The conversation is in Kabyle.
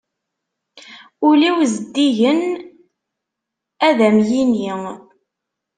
Ul-iw zeddigen ad am-yinni.